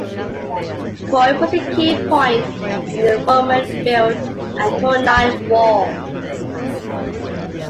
Croy was a key point in the Roman built Antonine Wall.